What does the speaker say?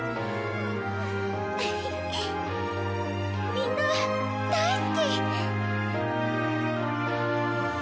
みんな大好き！